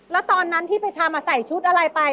แล้วตอนนั้นที่ไปทำใส่ชุดอะไรไป